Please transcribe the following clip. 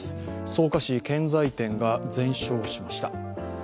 草加市、建材店が全焼しました。